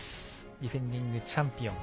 ディフェンディングチャンピオン